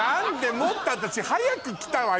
もっと私早く来たわよ。